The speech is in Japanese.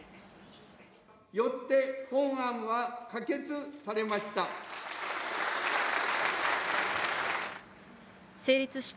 よって本案は可決されました。